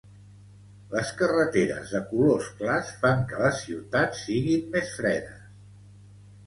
Les carreteres de colors clars fan que les ciutats siguin més fredes.